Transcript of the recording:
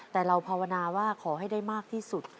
แต่เราภาวนาว่าขอให้ได้มากที่สุด